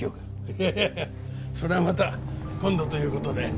いやいやそれはまた今度という事で。